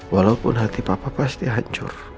walaupun hati papa pasti hancur